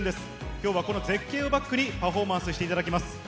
きょうはこの絶景をバックにパフォーマンスしていただきます。